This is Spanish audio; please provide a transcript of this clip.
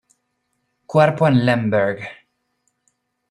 Cuerpo en Lemberg.